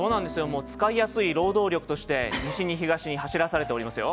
もう使いやすい労働力として西に東に走らされておりますよ。